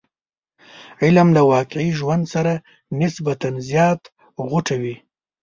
علم له واقعي ژوند سره نسبتا زیات غوټه وي.